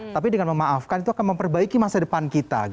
tapi dengan memaafkan itu akan memperbaiki masa depan kita